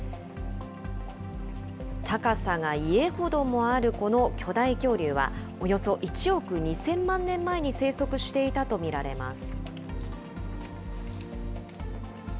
高さが家ほどもあるこの巨大恐竜は、およそ１億２０００万年前に生息していたと見られます。